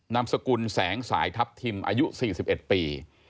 นามสกุลแสงสายทัพทิมอายุ๔๑ปี